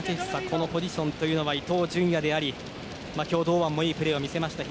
このポジションは伊東純也であり今日、堂安もいいプレーを見せました。